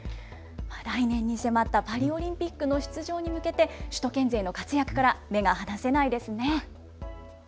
来年に迫ったパリオリンピックの出場に向けて首都圏勢の活躍から目が離せないですね。